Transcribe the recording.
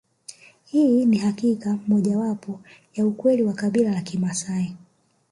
Hii ni hakika moja wapo ya ukweli wa kabila ya Kimaasai